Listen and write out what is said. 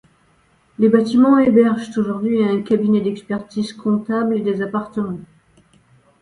Les bâtiments hébergent aujourd'hui un cabinet d'expertise comptable et des appartements.